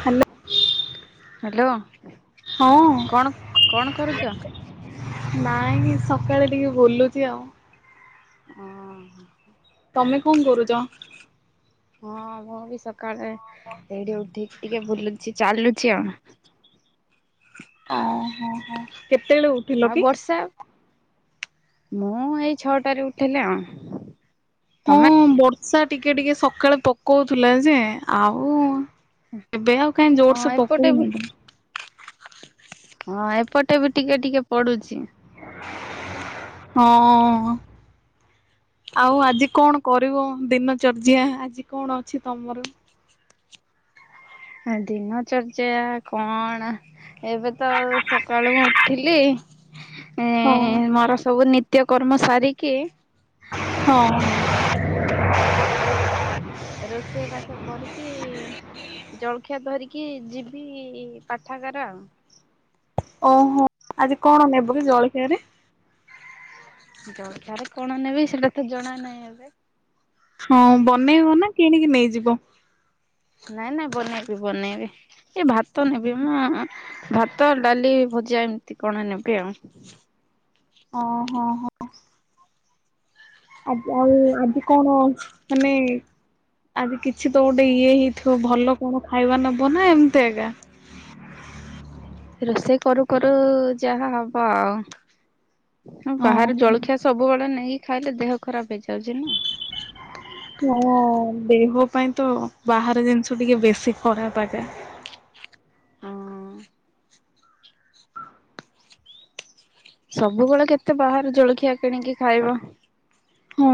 Hello hello. ହୁଁ [inaudible] ହଁ ନାଇଁ ସକାଳେ ଟିକେ। ବୁଲୁଛି ଆଉ। ଅଁ ହୋ। ତମେ କଣ କରୁଛ? ହଁ ମୁଁ ବି ସତ। କାଳେ ଏଇଠି ଉଠିକି ଟିକେ ବୁଲୁଛି। ଚାଲୁଛି ଆଉ। ଓହୋ ହୋ କେତେବେଳେ ଉଠିଲ ଆଉ କି? ବର୍ଷା ମୁଁ ଏଇ ଛଅଟାରେ ଉଠିଲି ଆଉ। ହଁ ତମେ? ବର୍ଷା ଟିକେ ଟିକେ ସ। କାଳେ ପକଉଥିଲା ଯେ ଆଉ। ଏବେ ଆଉ କାଇଁ ହଁ ଜୋର ସେ ଏପଟେ ବି ପକୋଉନି ତ। ହଁ ଏପଟେ ବି ଟିକେ ଟିକେ ପଡୁଛି। ହଁ ଆଉ ଆଜି କଣ କରିବ ଦିନ ଚର୍ଯ୍ୟା ଆଜି କଣ ଅଛି ତମର? ଦିନ ଚର୍ଯ୍ୟା କଣ ଏବେ ତ ସକାଳୁ ମୁଁ ଉଠିଲି। ହଁ। ଏଁ ମୋର ସବୁ ନୀତି। ନିତ୍ୟ କର୍ମ ସାରିକି ହଁ ହୁଁ ରୋଷ ରୋଷେଇ ବାସ କରିକି ଜଳଖିଆ ଧରିକି କି ଯିବି ପାଠାଗାର ଆଉ। ଓହୋ ଆଜି କଣ ନେବୁ କି ଜଳଖିଆରେ? ଜଳଖିଆରେ କଣ ନେବି ସେଟା ତ ଜଣା ନାହିଁ ଏବେ। ହଁ ବନେଇବ ନା କିଣିକି ନେଇଯିବ? ନାଇଁ ନାଇଁ ବନେଇବି ବନେଇବି। ଏ ଭାତ ନେବି ମ। ଭାତ, ଡାଲି, ଭଜା ଏମିତି କଣ ନେବି ଆଉ। ଓଃ ହୋ ହୋ। ଆବ୍ ଆଉ ଆଜି କଣ? ମାନେ ଆଜି କିଛି ତ ଗୋଟେ ଇଏ ହେଇଥିବ ଭଲ କଣ ଖାଇବା ନବ ନା ଏମିତି ଆକା। ରୋଷେଇ କରୁ କରୁ ଯାହା ହବ ଆଉ। ହଁ ବାହାରେ ଓହୋ। ଜଳଖିଆ ସବୁବେଳେ ନେଇ ଖାଇଲେ ଦେହ ଖରାପ ହେଇଯାଉଚି ନା। ହଁ ଦେହ ପାଇଁ ତ ବାହାରେ ଜିନିଷ ଟିକେ ବେଶୀ ଖରାପ ଆକା। ହଁ। ସବୁବେଳେ କେତେ ବାହାରେ ଜଳଖିଆ କିଣିକି ଖାଇବ। ହଁ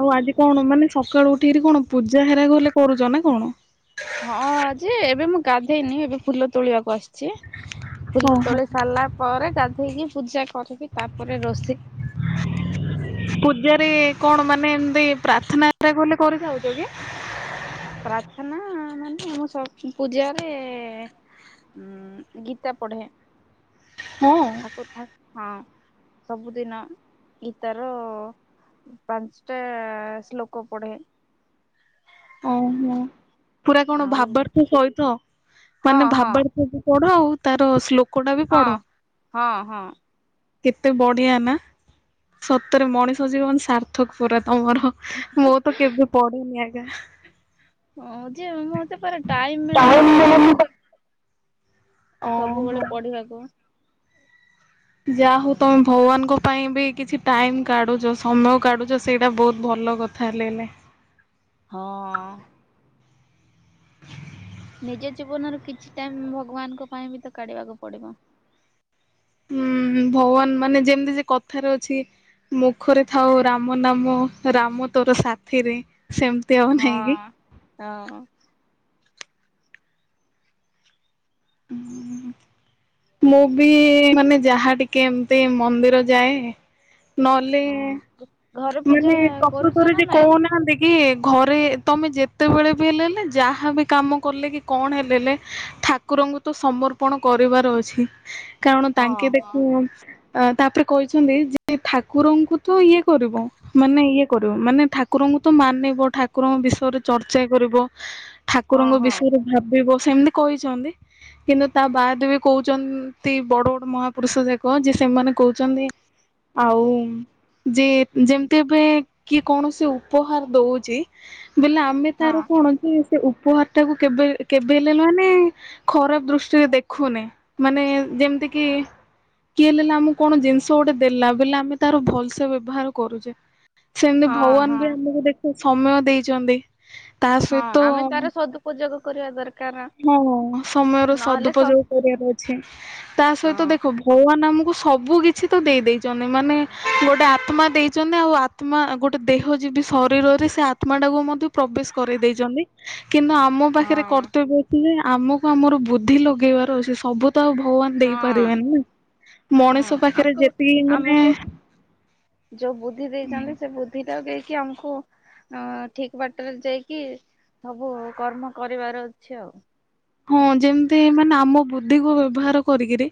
ଆଉ ଆଜି କଣ ମାନେ ସକାଳୁ ଉଠିକିରି କଣ ପୂଜା ହେରାଲେ କରୁଛ ନା କଣ। ହଁ ଯେ ଏବେ ମୁଁ ଗାଧେଇନି ଏବେ ଫୁଲ ତୋଳିବାକୁ ଆସିଚ ଚି। ଫୁଲ ଓହୋ ତୋଳି ସାରିଲା ପରେ ଗା ଧେଇକି ପୂଜା କରିକି ତାପରେ ରୋଷେଇ ପୂଜାରେ କଣ ମାନେ ପ୍ରାର୍ଥନା କଲେ କରେ ଖାଉଚ କି? ପ୍ରାର୍ଥନା ମାନେ ଆମ ପୂଜାରେ ଏ ଗୀତା ପଢେ। ହଁ। ଠାକୁ ଠାକୁ ହଁ। ସବୁଦିନ ଗୀତାର ପାଞ୍ଚଟା ଶ୍ଲୋକ ପଢେ। ଓ ହୋ। ପୁରା କଣ ଆଉ ଭାବର୍ଥ ସହିତ? ହଁ ତାନେ ହଁ ଭାବାରଥ କଣ? ଆଉ ତାର ଶ୍ଲୋ କଟା ବି ପଢ଼। ହଁ ହଁ। କେତେ ବଢିଆ ନା ସତରେ ମଣିଷ ଜୀବନ ସାର୍ଥକ ପୁରା। ତମର ମୁଁ ତ କେବେ ପଢେନି ଆଜ୍ଞ। [unintelligible] ହଁ ଯେ ମତେ ପରେ ଟାଇମ ମିଳୁନି ସବୁ ଜିନଷ ଓହୋ। ସବୁବେଳେ ପଢିବାକୁ। ଯାହା ହଉ ତମେ ଭଗବାନଙ୍କ ପାଇଁ ବି କିଛି ଟାଇମ କାଢୁଛ ସମୟ କାଢୁଛ ସେଇଟା ବହୁତ ଭଲ କଥା ହେଲେଏଲେ। ହଁ। ନିଜ ଜୀବନର କିଛି ଟାଇମ ଭଗବାନଙ୍କ ପାଇଁ ବି ତ କାଢିବାକୁ ପଡିବ। ହୁଁ ଭଗବାନ ମାନେ ଯେମିତି ସେ କଥାରେ ଅଛି ମୁଖରେ ଥାଉ ରାମ ନାମ ରାମ ତୋର ସାଥିରେ। ସେମିତି ଆଉ ନହିଁ କି? ହଁ। ହଁ ମୁଁ ବି ମାନେ ଯାହା ଟିକେ ଏମତି ମନ୍ଦିର ଯାଏ। ନହଲେ। ହଁ ଘରେ ପୂଜା ମାନେ କରୁଛ ପ୍ରକୃତରେ ନା ଯେ ନାଇଁ କହୁନାହାନ୍ତି କି ଘରେ ତମେ ଯେତେବେଳେ ବି ହେଲେ ଲେ ଯାହାବ କାମ କଲେ କି କଣ ହେଲେ ଲେ ଠାକୁରଙ୍କୁ ତ ସମର୍ପଣ କରିବାର ଅଛି। କାରଣ ହଁ ତାଙ୍କେ ହଁ ଦେଖୁ ଅ ତାପରେ କହିଛନ୍ତି ଯେ ଠାକୁରଙ୍କୁ ତ ଇଏ କରିବ ମାନେ ଇଏ କରିବ ମାନେ ଠାକୁରଙ୍କୁ ତ ମାନିବ ଠାକୁରଙ୍କ ବିଷୟରେ ଚର୍ଚ୍ଚା କରିବ ହଁ ଠାକୁରଙ୍କ ହଁ ବିଷୟରେ ଭାବିବ ସେମିତି କହିଛନ୍ତି କିନ୍ତୁ ତା ବାଦ ବି କହୁଛନ୍ତି ବଡ ବଡ ମହାପୁରୁଷ ଯାକ ଯିଏ ସେମାନେ କହୁଛନ୍ତି ଆଉ ଯିଏ ଯେମିତି ଏବେ କିଏ କୌଣସି ଉପହାର ଦଉଛି ବୋଇଲେ ଆମେ ହଁ ତାର କଣସି [unintelligible] ସେ ଉପହାର ଟାକୁ କେବେ କେବେ ହେଲେ ମାନେ ଖରାପ ଦୃଷ୍ଟିରେ ଦେଖୁନେ ମାନେ ଯେମିତି କି କିଏ ହେଲେ ଆମ କଣ ଜିନିଷ ଗୋଟେ ଦେଲା ବୋଲେ ଆମେ ତାର ଭଲସେ ବ୍ୟବହାର କରୁଛେ ସେମିତି ହଁ ହଁ। ଭଗବାନ ବି ଆମକୁ ଦେଖ ସମୟ ଦେଇଛନ୍ତି। ତା ହଁ ଆମେ ସହିତ ତାର ସଦୁପଯୋଗ କରିବା ଦରକାର। ହଁ ସମୟର ନହେଲେ ସଦୁପଯୋଗ ସବୁ କରିବାର ଅଛି ତା ହଁ ସହିତ ଦେଖ ଭଗବାନ ଆମକୁ ସବୁ କିଛି ତ ଦେଇ ଦେଇେଇଛନ୍ତି ମାନେ ଗୋଟେ ଆତ୍ମା ଦେଇଛନ୍ତି ଆଉ ଆତ୍ମା ଗୋଟେ ଦେହ ଯିବ ଶରୀରରେ ସେ ଆତ୍ମା ଟାକୁ ମଧ୍ୟ ପ୍ରବେଶ କରି ଦେରେଇଛନ୍ତି କିନ୍ତୁ ଆମ ପାଖରେ ହଁ କର୍ତ୍ତବ୍ୟ ଆମକୁ ଆମର ବୁଦ୍ଧି ଲଗେଇବାର ଅଛି ସବୁ ତ ଆଉ ଭଗବାନ ହଁ ଦେଇପାରିବେନି ନା। ହଁ ମଣିଷ ପାଖରେ ଆମକୁ ଯେତିକି ମାନେ ଆମକୁ ଯୋଉ ବୁଦ୍ଧି ଦେଇଛନ୍ତି ସେ ବୁଦ୍ଧି ଟାକୁ ଦେଇ କି ଆମକୁ ଅ ଠିକ ବାଟରେ ଯାଇକି ସବୁ କର୍ମ କରିବାର ଅଛି ଆଉ ହଁ ଯେମିତି ମାନେ ଆମ ବୁଦ୍ଧିକୁ ବ୍ୟବହାର କରିକିରି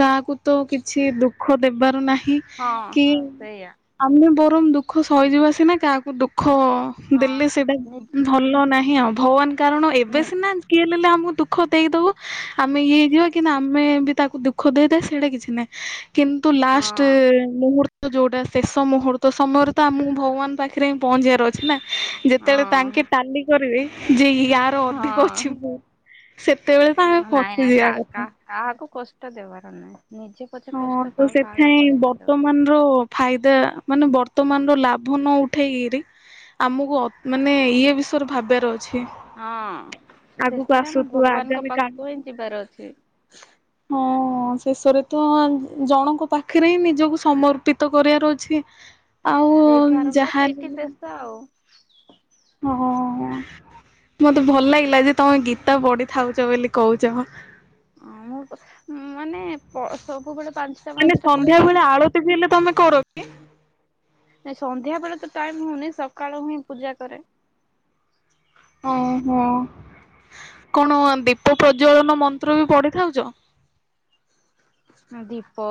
କାହାକୁ ତ କିଛି ଦୁଃଖ ଦେବାର ନାହିଁ ହଁ କି ହଁ ସେଇଆ ଆମେ ବହୁତ ବରଂ ଦୁଃଖ ସହିଯିବା ସିନା କାହାକୁ ଦୁଃଖ ହଁ ଦିଲ୍ଲୀ ସେଟା ନି ଭଲ ନାହିଁ। ଭଗବାନ କାରଣ ଏବେ ନି ସିନା କିଏ ହେଲେଲେ ଆମ ଦୁଃଖ ଦେଇଦବୁ ଆମେ ଇଏ ହେଇଯିବା। କିନ୍ତୁ ଆମେ ବି ତାକୁ ଦୁଃଖ ଦେଇଥା ସେଇଟା କିଛି ନାହିଁ। କିନ୍ତୁ ଲାଷ୍ଟ ହଁ ମୁହୂର୍ତ୍ତ ଯୋଉଟା ଶେଷ ମୁହୂର୍ତ୍ତ ସମୟରେ ତ ଆମକୁ ଭଗବାନ ପାଖରେ ହିଁ ପହଞ୍ଚିବାର ଅଛି ନା ଯେତେବେଳେ ତାଙ୍କେ ହଁ ଟାଲି କରିବେ ଯେଇ ୟାର ଅଧିକ ଅଛି ହଁ ପୁ ସେତେବେଳେ ତାଙ୍କେ ଖସିଯିବା କଥା ତାକୁ କଷ୍ଟ ଦେବାର ନାହିଁ। ନିଜେ ପଛେ ହଁ କଷ୍ଟ ତ ପାଅ କାହାକୁ ସେଥିପାଇଁ କଷ୍ଟ ଦେବା ବର୍ତ୍ତମାନର ଫାଇଦା ମାନେ ବର୍ତ୍ତମାନର ଲାଭ ନ ଉଠେଇକିରି ଆମକୁ ମାନେ ଇଏ ବିଷୟରେ ଭାବିବାର ଅଛି ହଁ, ଆଗକୁ ଶେଷରେ ଆମେ ଆସୁଥିବା ଭଗବାନଙ୍କ ଆଗାମୀ କାଳ ପାଖକୁ ହିଁ ଯିବାର ଅଛି। ହଁ, ଶେଷରେ ତ ଜଣଙ୍କ ପାଖରେ ହିଁ ନିଜକୁ ସମର୍ପିତ କରିଆର ଅଛି। ଆଉ ସେଇଠୁ ଆରମ୍ଭ ଯାହାହେଲେ ସେଇଠି ଶେଷ ଆଉ। ହଁ, ମତେ ଭଲ ଲାଗିଲା ଯେ ତମେ ଗୀତା ପଢିଥାଉଛ ବୋଲି କହୁଛ। ଅ ମୁଁ ମାନେ ସବୁବେଳେ ପାଞ୍ଚଟା ମାନେ ପାଞ୍ଚଟା ସନ୍ଧ୍ୟା ପଢିକି ବେଳେ ଆଳତି ବି ହେଲେ ତମେ କର କି? ନାଇଁ ସନ୍ଧ୍ୟା ବେଳେ ତ ଟାଇମ ହଉନି ସକାଳୁ ହିଁ ପୂଜା କରେ। ଓହୋ। କଣ ଦୀପ ପ୍ରଜ୍ଜଳନ ମନ୍ତ୍ର ବି ପଢିଥାଉଛ? ଦୀପ,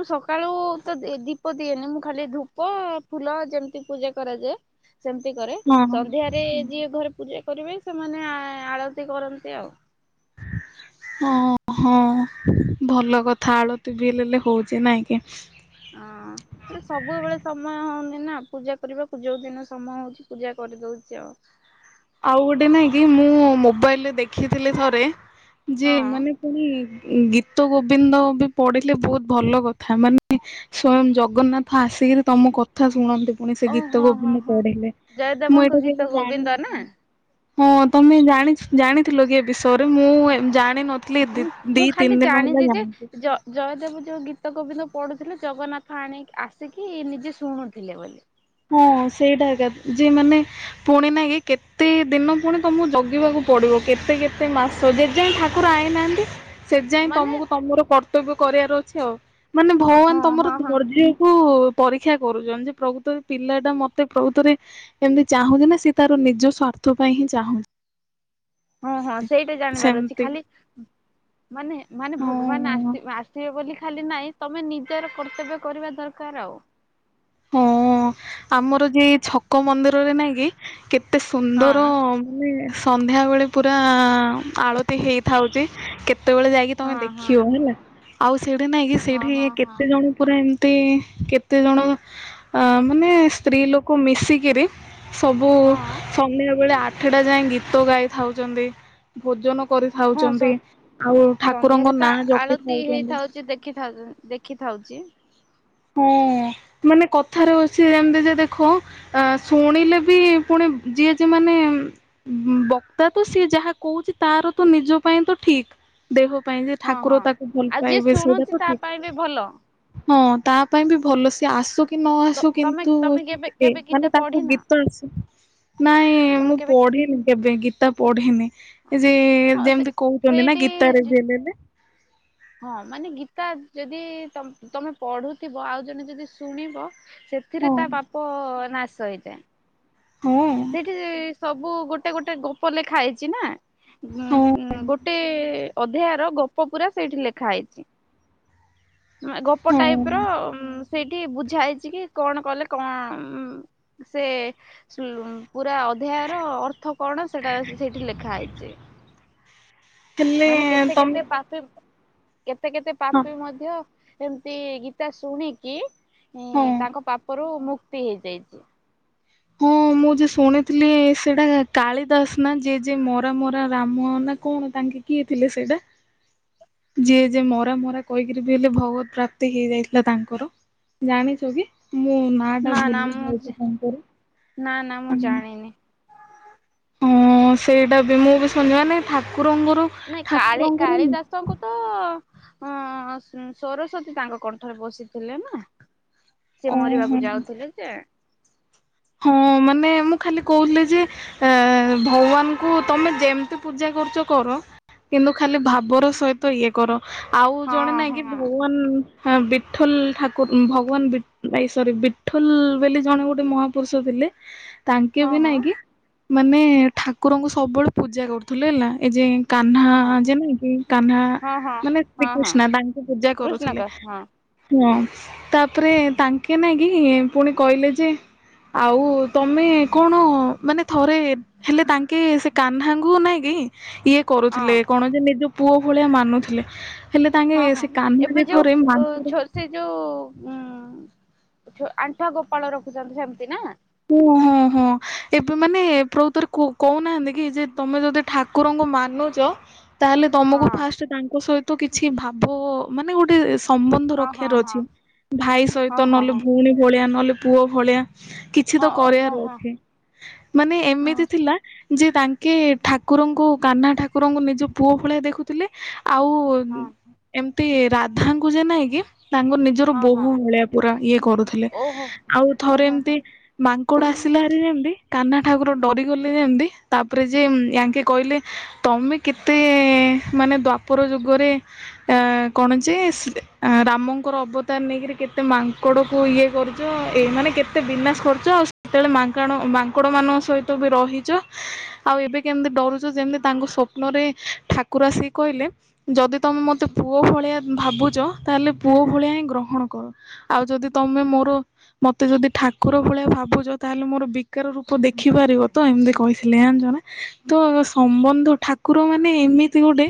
ମୁଁ ସକାଳୁ ତ ଦୀପ ଦିଏନି ମୁଁ ଖାଲି ଧୂପ, ଫୁଲ ଯେମିତି ପୂଜା କରାଯାଏ ସେମିତି କରେ। ହଁ। ସନ୍ଧ୍ୟାରେ ଯିଏ ଘରେ ପୂଜା କରିବେ, ସେମାନେ ଆଳତି କରନ୍ତି ଆଉ। ହଁ ହଁ। ଭଲ କଥା। ଆଳତି ବି ହେଲେଲେ ହଉଛି ନାଇଁ କି। ହଁ, ସବୁବେଳେ ସମୟ ହଉନି ନା ପୂଜା କରିବାକୁ। ଯୋଉ ଦିନ ସମୟ ହଉଛି ପୂଜା କରିଦଉଛି ଆଉ। ଆଉ ଗୋଟେ ନାଇଁ କି, ମୁଁ ମୋବାଇଲରେ ଦେଖିଥିଲି ଥରେ। ଯେ ହଁ ମାନେ ପୁଣି ଗୀତ ଗୋବିନ୍ଦ ବି ପଢିଲେ ବହୁତ ଭଲ କଥା। ମାନେ ସ୍ଵୟଂ ଜଗନ୍ନାଥ ଆସିକିରି ତମ କଥା ଶୁଣନ୍ତି ପୁଣି ସେ ଗୀତ ଓହୋ ହଁ ଗୋବିନ୍ଦ ହଁ ପଢିଲେ। ମୁଁ ଜୟଦେବଙ୍କ ଏଟା ଗୀତ କେବେ ଗୋବିନ୍ଦ ନା? ଜାଣିିନ ହଁ, ତମେ ଜାଣି ଜାଣିଥିଲ କି ଏ ବିଷୟରେ? ମୁଁ ଜାଣି ନଥି ହୁଁ, ମୁଁ ଖାଲି ଜାଣିଛି ଯେ ଜ ଜୟ ଜୟଦେବ ଯୋଉ ଗୀତ ଗୋବିନ୍ଦ ପଢୁଥିଲେ ଜଗନ୍ନାଥ ଆଣି ଆସିକି ନିଜେ ଶୁଣୁଥିଲେ ବୋଲି। ହଁ, ସେଇଟା ଏକା। ଯେ ମାନେ ପୁଣି ନା କି କେତେ ଦିନ ପୁଣି ତମକୁ ଜଗିବାକୁ ପଡିବ କେତେ କେତେ ମାସ। ଯେ ଯାଏ ଠାକୁର ଆଇନାହାନ୍ତି ସେ ଯାଇଁ ମାନେ ତମକୁ ତମର କର୍ତ୍ତବ୍ୟ କରିବାର ଅଛି ଆଉ। ମାନେ ହଁ ଭଗବାନ ତମର ହଁ ହଁ ଧର୍ଯ୍ୟ କୁ ପରୀକ୍ଷା କରୁଛନ୍ତି ଯେ ପ୍ରଭୁ ତମେ ପିଲା ଟା ମତେ ପ୍ରଭୁଥରେ ଏମିତି ଚାହୁଁଛି ନା ସେ ତାର ନିଜ ସ୍ଵାର୍ଥ ପାଇଁ ହିଁ ଚାହୁଁଛି। ହଁ ହଁ ସେଇଟା ଜାଣିବାର ଅଛି ସେମିତି ଖାଲି ମାନେ ମାନେ ଭଗବାନ ଆ ହଁ। ଆସିବେ ବୋଲି। ଖାଲି ନାହିଁ ତମେ ନିଜର କର୍ତ୍ତବ୍ୟ କରିବା ଦରକାର ଆଉ। ହଁ ଆମର ଯେ ଛକ ମନ୍ଦିରରେ ନାଇଁ କି କେତ ଏତେ ସୁନ୍ଦର ହଁ ମାନେ ସନ୍ଧ୍ୟାବେେଳେ ପୁରା ଆଳତି ହେଇଥାଉଛି କେତେ ସେତେବେଳେ ଯାଇକି ତମେ ହଁ ହଁ ଦେଖିବ ହେଲା। ସେଠି ନାଇଁ କିି ହଁ ସେଠି ହଁ ହଁ କେତେ ଜଣ ପୁରା ଏମ ଟି କେତେଜଣ ଅ ମାନେ ସ୍ତ୍ରୀ ଲୋକ ମିଶିକିରି ସବୁ ହଁ ସନ୍ଧ୍ୟୋବେଳେ ଆର ଏଠିଟା ଯାଇ ଗୀତ ଗାଇଥାଉଛନ୍ତି ଭୋଜନ ହଁ ସ କରିଥାଉଛନ୍ତି ଆଉ ଠାକୁରଙ୍କ ସନ୍ଧ୍ୟାରେ ତ ନାଁ ଆ ଜପି ଆଳତି ଥାଉଛନ୍ତି। ହେଇଥାଉଛି ଦେଖିଥା ଦେଖିଥାଉଛି। ହଁ ମାନେ କଥା କଥାରେ ଅଛି ଯେମତି ଯେ ଦେଖ ଅ ଶୁଣିଲେ ବି ପୁଣି ଯିଏ ଯିଏ ମାନେ ବକ୍ତା ତ ସିଏ ଯାହା କହୁଛି ତାର ତ ନିଜ ପାଇଁ ତ ଠିକ ଦେହ। ପାଇଁ ଯେ ହଁ ହଁ ଠାକୁର ତାକୁ ଭଲ ଆଉ ଯିଏ ପାଇବେ ସେଇଟା ଶୁଣୁଛି ତ ତା ଠିକ। ପାଇଁ ବି ଭଲ ହଁ। ତା ପାଇଁ ବି ଭଲ ସିଏ ଆସୁ କି ନ ତ ଆସୁ ତମେ କିନ୍ତୁ ତମେ କେବେ ଏ କେବେ ଗୀତା ମାନେ ତାକୁ ପଢିନା ଗୀତ ଆସୁ। ନାଇଁ ତମେ ମୁଁ କେବେ ଗୀତା ପଢିନି କେବେ ଗୀତା ପଢିନି। ଯେ ହଁ ସେ ଯେମିତି କହୁଛନ୍ତି ନା ଗୀତାରେ ସେଇଠି ଯେଲେଲେ। ହଁ ମାନେ ଗୀତା ଯଦି ତମ ତମେ ପଢ଼ୁଥିବ ଆଉ ଜଣେ ଯଦି ଶୁଣିବ। ସେଥିରେ ହଁ ତା ବାପ ନାଶ ଶଇ ଯାଏ। ହଁ ସେଠି। ସବୁ ଗୋଟେ ଗୋଟେ ଗପ ଲେଖା ହେଇଛି ନା। ଉଁ ହଁ ସୁ ଗୋଟେ। ଅଧ୍ୟାୟର ଗୋପ ପୁରା ସେଇଠି ଲେଖା ହେଇଛି। ଗପ ହଁ ଟାଇପ ର ଉମ। ସେଇଠି ବୁଝା ହେଇଛି କି କଣ କଲେ କମ ସେ। ଲୁ ପୁରା ଅଧ୍ୟାୟ ର ଅର୍ଥ। କଣ ସେଟା ସେଇଠି ଲେଖା ହେଇଛି ହେଲେ ମାନେ କେତେ ତମେ କେତେ ପାପି। କେତେ କେତେ ହଁ ପାପି ମଧ୍ୟ। ଏମିତି ଗୀତା ଶୁଣିକି ହଁ ହିଁ ତାଙ୍କ ପାପରୁ ମୁ ତି ହେଇଯାଇଛି। ହଁ ମୁଁ ଯେ ଶୁଣିଥିଲି ସେଇଟା କାଳିଦାସ ନା ଯେ ଯେ ମରା ମରା ରାମ ନା କଣ ତାଙ୍କେ କିଏ ଥିଲେ ସେଇଟା ଯିଏ ଯିଏ ମରା ମରା କହିକିରି ବି ହେଲେ ଭଗବତ ପ୍ରାପ୍ତି ହେଇଯାଇଥିଲା ତାଙ୍କର ଜାଣିଛ କି ମୁଁ ନା ଟା ନା ଭୁଲି ମୁଁ ଯାଇଛି ତାଙ୍କର। ନା ନା ମୁଁ ଜାଣିନି। ହଁ ସେଇଟା ବି ମୁଁ ବି ଶୁଣିଚି ମାନେ ଥା ନାଇଁ କାଳି କାଳି ଦାସଙ୍କୁ ତ ହଁ ସରସ୍ଵତୀ ତାଙ୍କ କଣ୍ଠରେ ବସିଥିଲେ ନା। ସେ ମରିବାକୁ ଓହୋ। ଯାଉଥିଲେ ଯେ ହଁ ମାନେ ମୁଁ ଖାଲି କହୁଥିଲି ଯେ ଏ ଭଗବାନଙ୍କୁ ତମେ ଯେମିତି ପୂଜା କରୁଛ କର କିନ୍ତୁ ଖାଲି ଭାବର ସହିତ ଇଏ କର। ଆଉ ହଁ ଜଣେ ନାଇଁ ହଁ କି ଭଗବାନ ହଁ ବିଠୋଲ ଠାକୁର ଭଗବାନ ସରି ବିଠୋଲ ବୋଲି ଜଣେ ଗୋଟେ ମହା ପୁରୁଷୁ ଥିଲେ ତାଙ୍କେ ହଁ ବି ହଁ। ନାଇଁ କି ମାନେ ଠାକୁରଙ୍କୁ ସବୁବେଳେ ପୂଜା କରୁଥିଲୁ ହେଲା ଏ ଯେ କାହ୍ନା ହଁ ହଁ ଯେ ନକି କାହ୍ନା ହଁ ହଁ ମାନେ ହଁ ହଁ ଶ୍ରୀକୃଷ୍ଣ ତାଙ୍କୁ ପୂଜା କୃଷ୍ଣକ କରୁଥିଲେ ହଁ ହଁ। ତାପରେ ତାଙ୍କେ ନ କି ପୁଣି କହିଲେ ଯେ ଆଉ ତମେ କଣ ମାନେ ଥରେ ହେଲେ ତାଙ୍କେ ସେ କାହ୍ନାଙ୍କୁ ନାଇଁ କି ଇଏ କରୁଥିଲେ ହଁ କଣ ଯେ ନିଜ ପୁଅ ଭଳିଆ ମାନୁଥିଲେ। ହେଲେ ତାଙ୍କେ ହଁ ହଁ ସେ କାହ୍ନା ଯେ ଏବେ ଯୋଉ ଥରେ ମାଙ୍କଡ ଛୋର ସେ ଯୋଉ ଉ ଆଣ୍ଠୁଆ ଗୋପାଳ ରଖୁଛନ୍ତି ସେମିତି ନା ଓ ହୋ ହୋ ଏବେ ମାନେ ଏ ପ୍ରଭତରେ କହୁନାହାନ୍ତି କି ଯେ ତମେ ଯଦି ଠାକୁରଙ୍କୁ ମାନୁଛ ତାହେଲେ ତମକୁ ଫାଷ୍ଟ ତାଙ୍କ ସହିତ ତୁ କିଛି ଭାବ ମାନେ ଗୋଟେ ସମ୍ବନ୍ଧ ହଁ ରକ୍ଷାର ହଁ ଅଛି ଭାଇ ସହିତ ହଁ ହଁ ନହଲେ ହଁ ଭଉଣୀ ଭଳିଆ ନହେଲେ ପୁଅ ଭଳିଆ କିଛି ତ ହଁ ହଁ କରିବାର ହଁ ଅଛି ମାନେ ହଁ ଏମିତି ଥିଲା ଯେ ତାଙ୍କେ ଠାକୁରଙ୍କୁ କାହ୍ନା ଠାକୁରଙ୍କୁ ନିଜ ପୁଅ ଭଳିଆ ଦେଖୁଥିଲେ ଆଉ ହଁ ଏମତି ସେ ରାଧା କୁ ଯେ ନାଇକି ତାଙ୍କ ନିଜର ହଁ ବୋ ହଁ ଭଳିଆ ପୁର ଇଏ କରୁଥିଲେ ଓହୋ ଆଉ ଥରେ ଓହୋ ଏମତି ହୋ ମାଙ୍କୋଡୁ ଆସିଲାହାରି ଯେମିତି କାହ୍ନା ଠାକୁର ଡରିଗଲେ ଯେ ଯେମତି ତାପରେ ଯେ ୟାଙ୍କେ କହିଲେ ତମେ କେତେ ମାନେ ଦ୍ଵାପର ଯୁଗରେ କଣ ଯେ ରାମଙ୍କର ଅବତାର ନେଇକରି କେତେ ମାଙ୍କଡ କ ଇଏ କରୁଛ ଏ ମାନେ କେତେ ବିନାଶ କରୁଛ ଆଉ ସେତେବେଳେ ମାଙ୍କ ମାଙ୍କଡ ମାନଙ୍କ ସହିତ ବି ରହିଛ ଆଉ ଏବେ କେମିତି ଡରୁଛ ଯେମତି ତାଙ୍କ ସ୍ୱପ୍ନରେ ଠାକୁର ଆସିକ କହିଲେ ଯଦି ତମେ ମତେ ପୁଅ ଭଳିଆ ଭାବୁଛ ତାହେଲେ ପୁଅ ଭଳିଆ ହିଁ ଗ୍ରହଣ କର ଆଉ ଯଦି ତମେ ମୋର ମତେ ଯଦି ଠାକୁର ଭଳିଆ ଭାବୁଛ ତାହେଲେ ମୋର ବିକାର ରୂପ ଦେଖିପାରିବ ତ ଏମିତି କହିଥିଲେି ଜାଣିଛନା ତ ସମ୍ବନ୍ଧ ଠାକୁର ମାନେ ଏମିତି ଗୋଟେ